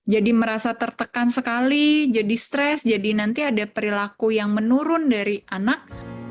merasa tertekan sekali jadi stres jadi nanti ada perilaku yang menurun dari anak